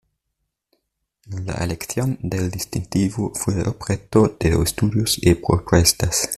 La elección del distintivo fue objeto de estudios y propuestas.